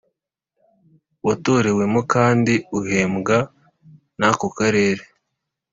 watorewemo kandi uhembwa n ako Karere